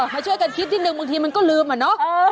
มาช่วยกันคิดนิดนึงบางทีมันก็ลืมอะเนาะ